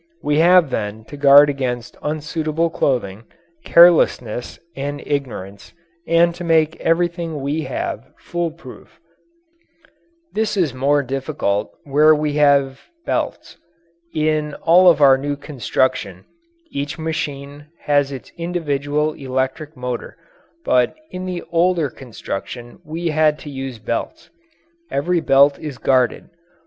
We have then to guard against unsuitable clothing, carelessness, and ignorance, and to make everything we have fool proof. This is more difficult where we have belts. In all of our new construction, each machine has its individual electric motor, but in the older construction we had to use belts. Every belt is guarded.